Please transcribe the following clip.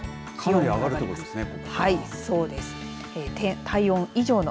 かなり上がるということですね。